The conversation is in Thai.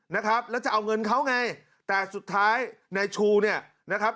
นะครับแล้วจะเอาเงินเขาไงแต่สุดท้ายนายชูเนี่ยนะครับ